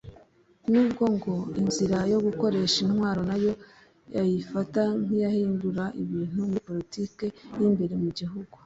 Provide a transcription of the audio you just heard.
n’ubwo ngo inzira yo gukoresha intwaro nayo ayifata nk’iyahindura ibintu muri politiki y’imbere mu gihugu